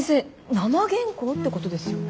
生原稿ってことですよね。